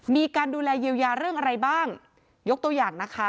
มีการดูแลเยียวยาเรื่องอะไรบ้างยกตัวอย่างนะคะ